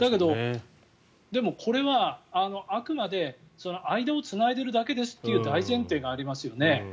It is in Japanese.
これはあくまで間をつないでるだけですという大前提がありますよね。